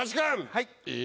はい！